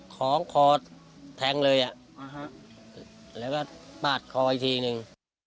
ของคอแทงเลยอ่ะอ่าฮะแล้วก็ปาดคออีกทีหนึ่ง